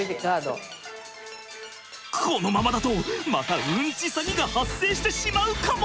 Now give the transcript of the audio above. このままだとまたウンチ詐欺が発生してしまうかも！？